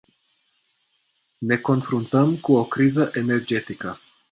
Ne confruntăm cu o criză energetică.